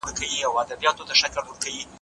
زکات د غريبانو مالي سرچينه ده.